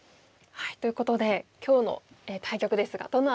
ということで今日の対局ですがどの辺り注目されてますか。